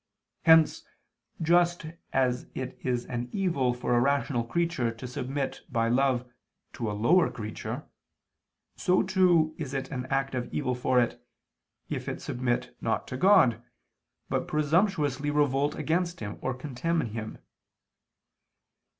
Hence, just as it is an evil for a rational creature to submit, by love, to a lower creature, so too is it an evil for it, if it submit not to God, but presumptuously revolt against Him or contemn Him.